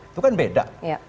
itu kan beda